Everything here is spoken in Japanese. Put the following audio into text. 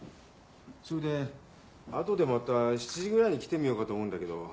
それで後でまた７時ぐらいに来てみようかと思うんだけど